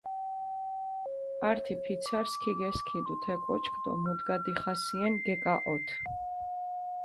ართი ფიცარს ქიგესქიდუ თე კოჩქ დო მუდგა დიხასიენ გეკაჸოთჷ.